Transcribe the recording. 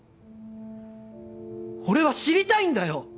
俺は知りたいんだよ！